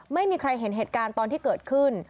ไม่มีใครเห็นเหตุการณ์ตอนที่เกิดขึ้น